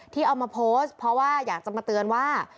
ที่เอามาโพสต์เพราะว่าอยากจะมาเตือนว่า